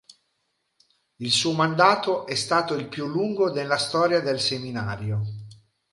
Il suo mandato è stato il più lungo nella storia del seminario.